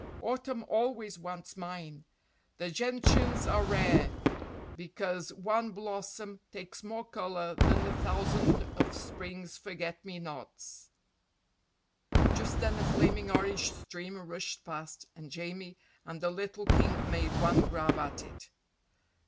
"Autumn always wants mine! The gentians are rare because one blossom takes more colour than a thousand of spring's forget me nots." Just then a flaming orange stream rushed past, and Jamie and the little king made one grab at it.